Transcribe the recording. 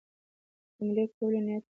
حملې کولو نیت لري.